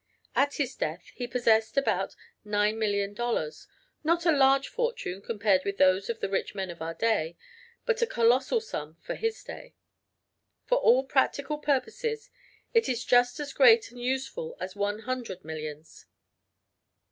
At his death he possessed about $9,000,000, not a large fortune compared with those of the rich men of our day, but a colossal sum for his day. For all practical purposes it is just as great and useful as one hundred millions.